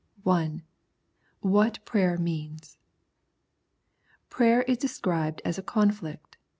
I. What Prayer Means. Prayer is described as a conflict.